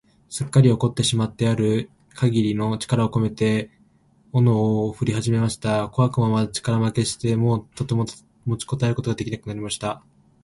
すっかり怒ってしまってある限りの力をこめて、鎌をふりはじました。小悪魔は力負けして、もうとても持ちこたえることが出来なくなりました。